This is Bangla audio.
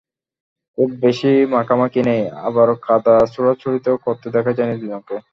খুব বেশি মাখামাখি নেই, আবার কাদা ছোড়াছুড়িও করতে দেখা যায়নি দুজনকে।